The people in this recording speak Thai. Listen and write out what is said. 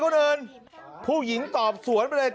การนอนไม่จำเป็นต้องมีอะไรกัน